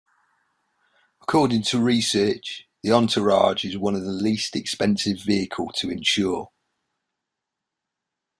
According to research, the Entourage is one of the least expensive vehicle to insure.